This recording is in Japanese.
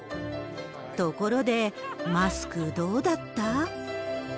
ところで、マスク、どうだった？